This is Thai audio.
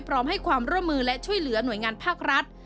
พร้อมให้ความร่วมมือและช่วยเหลือหน่วยงานภาครัฐ